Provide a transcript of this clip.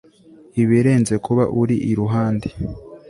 ibirenze kuba uri iruhande